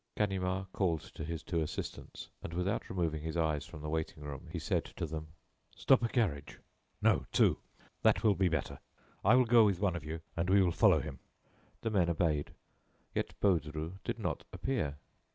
Ganimard called to his two assistants, and, without removing his eyes from the waiting room, he said to them: "Stop a carriage.... no, two. That will be better. I will go with one of you, and we will follow him." The men obeyed. Yet Baudru did not appear.